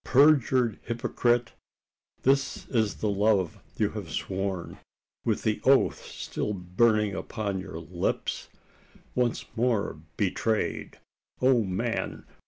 "Perjured hypocrite! this is the love you have sworn with the oath still burning upon your lips? Once more betrayed! O man!